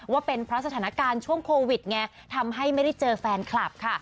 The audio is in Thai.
ว่าเป็นเพราะสถานการณ์ช่วงโควิดไงทำให้ไม่ได้เจอแฟนคลับค่ะ